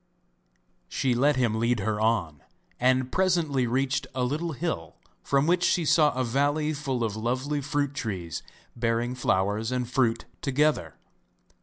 She let him lead her on, and presently reached a little hill, from which she saw a valley full of lovely fruit trees, bearing flowers and fruit together.